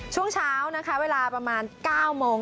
ช่วงเช้านะคะเวลาประมาณ๙โมง